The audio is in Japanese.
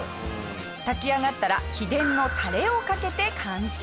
炊き上がったら秘伝のタレをかけて完成。